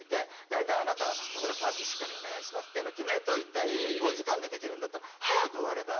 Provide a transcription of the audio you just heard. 大体あなたはここのパーツしっかりお願いしますってのを決めといて５時間でできるんだったら早く終われば。